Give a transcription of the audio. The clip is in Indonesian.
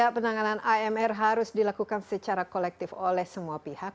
penanganan amr harus dilakukan secara kolektif oleh semua pihak